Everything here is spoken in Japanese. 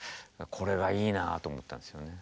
これがいいなあと思ったんですね。